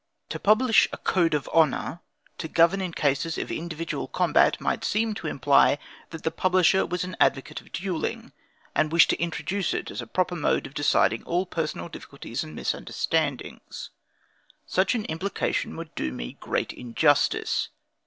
To publish a CODE OF HONOR, to govern in cases of individual combat, might seem to imply, that the publisher was an advocate of duelling, and wished to introduce it as the proper mode of deciding all personal difficulties and misunderstandings. Such implication would do me great injustice.